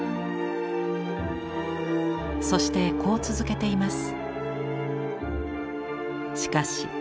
そしてこう続けています。